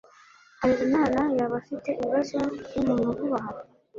Harerimana yaba afite ibibazo numuntu vuba aha?